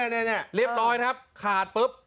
นี่เรียบร้อยครับขาดปุ๊บ